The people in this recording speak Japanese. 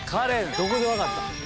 どこで分かった？